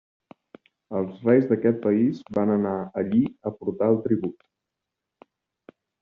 Els reis d'aquest país van anar allí a portar el tribut.